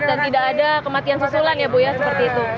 dan tidak ada kematian susulan ya bu ya seperti itu